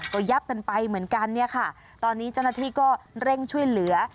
ก็ยับกันไปเหมือนกันเนี่ยค่ะตอนนี้เจ้าหน้าที่ก็เร่งช่วยเหลือ